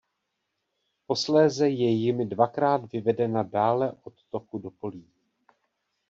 Posléze je jimi dvakrát vyvedena dále od toku do polí.